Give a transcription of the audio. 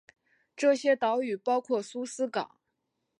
这些岛屿包括苏斯港。